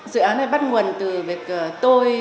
dự án này bắt nguồn từ việc tôi